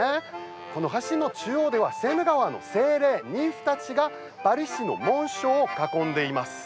この橋の中央ではセーヌ川の精霊ニンフたちがパリ市の紋章を囲んでいます。